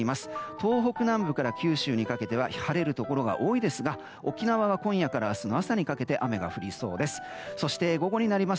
東北南部から九州にかけては晴れるところが多いですが沖縄は今夜から明日の朝にかけて雨が降りそうです。